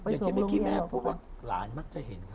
อย่างที่เมื่อกี้แม่พูดว่าหลานมักจะเห็นเขา